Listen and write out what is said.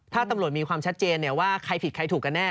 ถ้าตำรวจมีความชัดเจนว่าใครผิดใครถูกกันแน